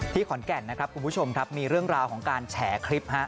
ขอนแก่นนะครับคุณผู้ชมครับมีเรื่องราวของการแฉคลิป